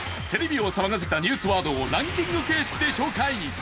テレビを騒がせたニュースワードをランキング形式で紹介。